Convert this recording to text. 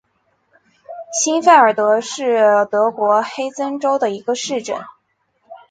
欣费尔德是德国黑森州的一个市镇。